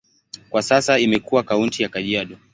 Kwa sasa imekuwa kaunti ya Kajiado.